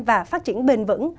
và phát triển bền vững